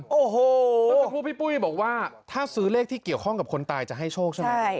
โอ้โหเมื่อสักครู่พี่ปุ้ยบอกว่าถ้าซื้อเลขที่เกี่ยวข้องกับคนตายจะให้โชคใช่ไหม